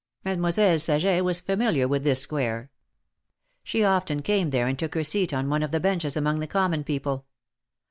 Mademoiselle Saget was familiar with this Square. She often came there and took her seat on one of the benches among the common people.